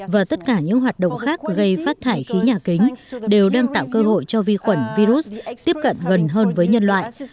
và tất cả những hoạt động khác gây phát thải khí nhà kính đều đang tạo cơ hội cho vi khuẩn virus tiếp cận gần hơn với nhân loại